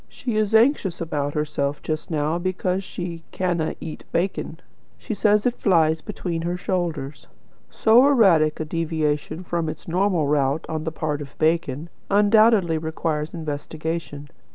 She is anxious about herself just now because she 'canna eat bacon.' She says it flies between her shoulders. So erratic a deviation from its normal route on the part of the bacon, undoubtedly requires investigation.